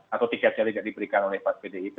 atau tiketnya tidak diberikan oleh pak pt ip